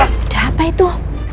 udah apa itu